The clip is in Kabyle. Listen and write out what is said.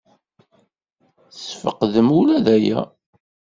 Tesfeqdem ula d aya?